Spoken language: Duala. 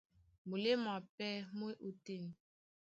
Muléma pɛ́ mú e ótên.